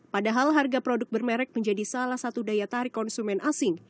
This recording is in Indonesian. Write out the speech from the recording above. padahal harga produk bermerek menjadi salah satu daya tarik konsumen asing